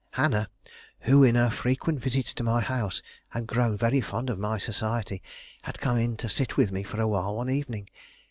Hannah, who, in her frequent visits to my house, had grown very fond of my society, had come in to sit with me for a while one evening.